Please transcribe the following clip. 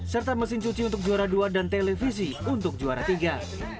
serta mesin cuci untuk juara dua dan televisi untuk juara tiga